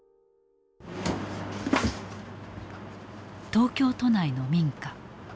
東京都内の民家。